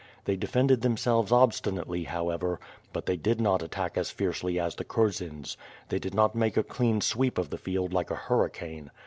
They defended themselves obstinately, however, but they did not attack as fiercely as the kurzens; they did not make a clean sweep of the field like a hurricane.